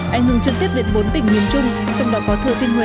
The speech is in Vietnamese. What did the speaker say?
ảnh hưởng trực tiếp đến bốn tỉnh miền trung trong đó có thừa thiên huế